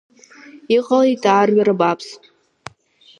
Иҟалеит аарҩара бааԥс.